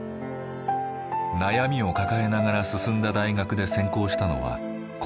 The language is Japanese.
悩みを抱えながら進んだ大学で専攻したのは国際法。